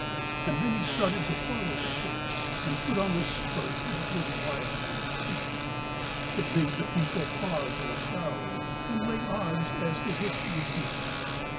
And then he started to follow the chase, And put on a spurt that was wild and fleet, It made the people pause in a crowd, And lay odds as to which would beat.